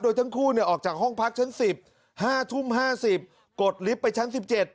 โดยทั้งคู่ออกจากห้องพักชั้น๑๕ทุ่ม๕๐กดลิฟต์ไปชั้น๑๗